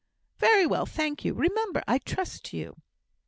"Very well; thank you. Remember, I trust to you."